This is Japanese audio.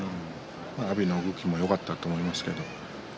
阿炎の動きもよかったと思いますが。